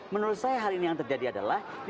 menurut saya hari ini yang terjadi adalah